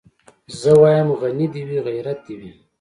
زه وايم غني دي وي غيرت دي وي